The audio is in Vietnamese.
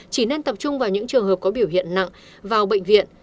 chỉ nên tập trung vào những trường hợp có biểu hiện nặng vào bệnh viện